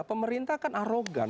pemerintah kan arogan